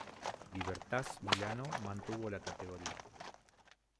Libertas Milano mantuvo la categoría.